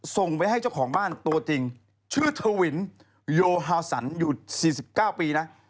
ส่งไว้ให้เจ้าของบ้านตัวจริงชื่อทวินโยฮาสันอยู่๔๙ปีนะ